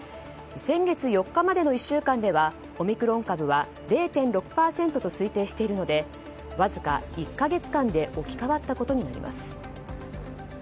先月４日までの１週間ではオミクロン株は０．６％と推定しているのでわずか１か月間で置き換わったことになります。